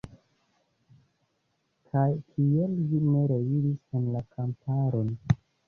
Kaj kial vi ne reiris en la kamparon?